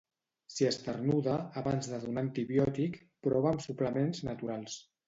Si esternuda, abans de donar antibiòtic, prova amb suplements naturals.